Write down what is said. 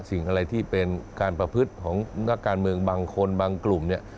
สิ่งอะไรที่เป็นการประพฤติของนักการเมืองบางคนบางกลุ่มเนี่ย